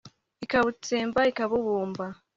Ikabutsemba ikabubumba